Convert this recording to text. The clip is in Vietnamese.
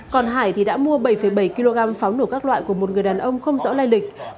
còn hải thì đã mua bảy bảy kg pháo nổ các loại của một người đàn ông không rõ lai lịch